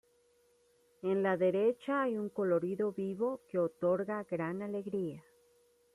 En la derecha hay un colorido vivo que otorga gran alegría.